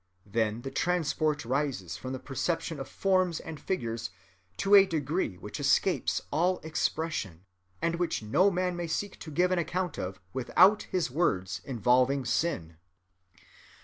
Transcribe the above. Then the transport rises from the perception of forms and figures to a degree which escapes all expression, and which no man may seek to give an account of without his words involving sin.